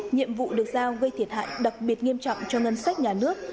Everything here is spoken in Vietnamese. nhiệm vụ được giao gây thiệt hại đặc biệt nghiêm trọng cho ngân sách nhà nước